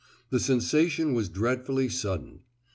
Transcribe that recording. The sensation was dreadfully sudden.